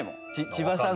千葉さん